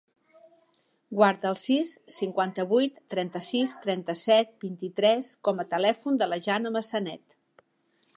Guarda el sis, cinquanta-vuit, trenta-sis, trenta-set, vint-i-tres com a telèfon de la Jannat Massanet.